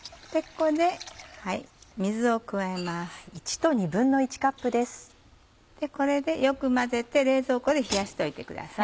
これでよく混ぜて冷蔵庫で冷やしておいてください。